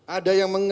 ada yang menganggap